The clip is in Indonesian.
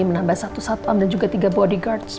menambah satu satpam dan juga tiga bodyguards